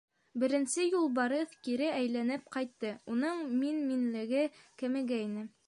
Беренсе Юлбарыҫ кире әйләнеп ҡайтты, уның мин-минлеге кәмегәйне.